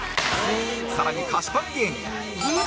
更に菓子パン芸人